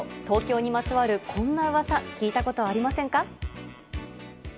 東京にまつわるこんなうわさ、聞いたことありませんか？